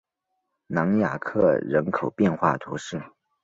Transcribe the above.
朗雅克人口变化图示